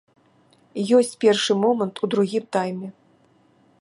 Ёсць першы момант у другім тайме.